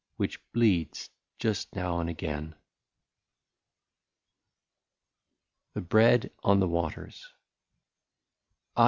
Which bleeds just now and again. 84 THE BREAD ON THE WATERS. Ah !